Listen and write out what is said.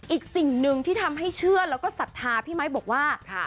อีกสิ่งหนึ่งที่ทำให้เชื่อแล้วก็ศรัทธาพี่ไมค์บอกว่า